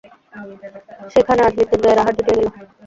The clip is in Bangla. সেইখানে আজ মৃত্যুঞ্জয়ের আহার জুটিয়া গেল।